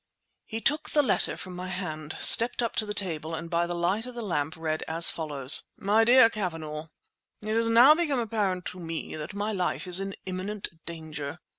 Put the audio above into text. He took the letter from my hand, stepped up to the table, and by the light of the lamp read as follows— My Dear Cavanagh,— It has now become apparent to me that my life is in imminent danger.